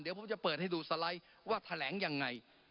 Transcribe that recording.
เดี๋ยวผมจะเปิดให้ดูสไลด์ว่าแถลงยังไง